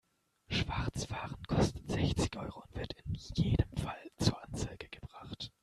Schwarzfahren kostet sechzig Euro und wird in jedem Fall zur Anzeige gebracht.